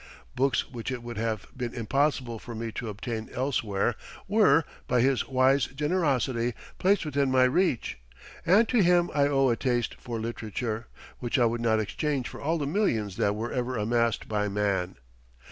Books which it would have been impossible for me to obtain elsewhere were, by his wise generosity, placed within my reach; and to him I owe a taste for literature which I would not exchange for all the millions that were ever amassed by man.